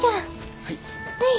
はい。